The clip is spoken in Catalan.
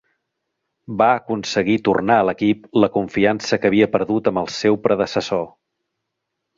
Va aconseguir tornar a l'equip la confiança que havia perdut amb el seu predecessor.